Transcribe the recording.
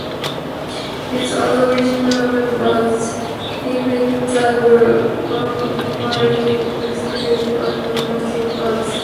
With the other original members leaving the group, Marley recruited a new backing band.